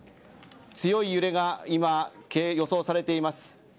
強い揺れが今、予想されています。